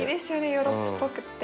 ヨーロッパっぽくって。